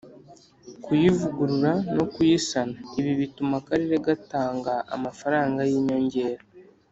Kuyivugurura no kuyisana ibi bituma akarere gatanga amafaranga y inyongera